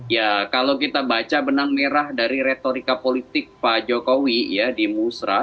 ya kalau kita baca benang merah dari retorika politik pak jokowi ya di musra